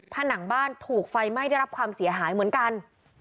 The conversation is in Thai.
ผนังบ้านถูกไฟไหม้ได้รับความเสียหายเหมือนกัน